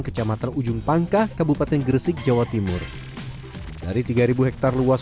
kecamatan ujung pangkah kabupaten gresik jawa timur dari tiga ribu hektare luas